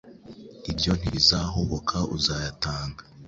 Ibyo ntibizahoboka uzayatanga